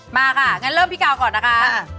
มาค่ะงั้นเริ่มพี่กาวก่อนนะคะ